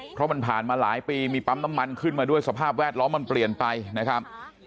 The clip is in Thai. เพราะมันผ่านมาหลายปีมีปั๊มน้ำมันขึ้นมาด้วยสภาพแวดล้อมมันเปลี่ยนไปนะครับ